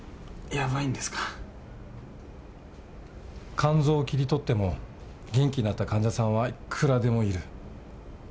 肝臓を切り取っても元気になった患者さんはいくらでもいる。